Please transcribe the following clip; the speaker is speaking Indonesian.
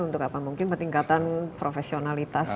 untuk apa mungkin peningkatan profesionalitas